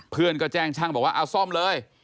เพื่อนก็แจ้งช่างบอกว่าเอาซ่อมเลย